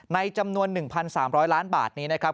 ในจำนวน๑๓๐๐ล้านบาทนี้นะครับ